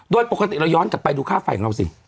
โดยปกติเราย้อนกลับไปดูค่าไฟของเราสิ